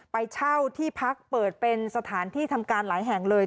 ไปเช่าที่พักเปิดเป็นสถานที่ทำการหลายแห่งเลย